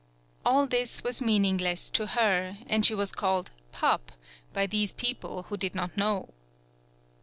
All this was meaningless to her, and she was called Pup by these people who did not know.